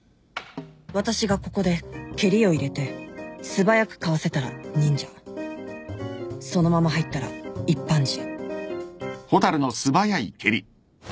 私がここで蹴りを入れて素早くかわせたら忍者そのまま入ったら一般人